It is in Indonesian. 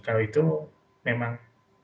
kalau itu memang